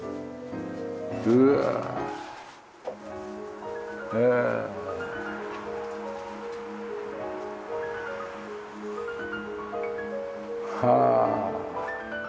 うわあ。ああ。はあ。